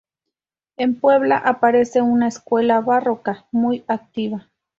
En Puebla aparece una escuela barroca muy activa.